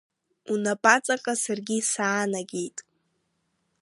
Унапаҵаҟа саргьы саанагеит!